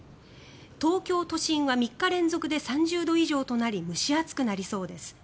東京都心は３日連続で３０度以上となり蒸し暑くなりそうです。